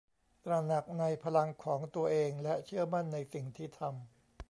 ตระหนักในพลังของตัวเองและเชื่อมั่นในสิ่งที่ทำ